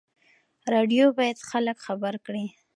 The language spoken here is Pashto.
راډیو باید خلک خبر کړي.